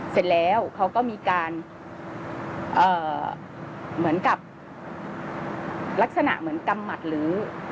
เสร็จแล้วเขาก็มีการเหมือนกับลักษณะเหมือนกำหมัดหรือ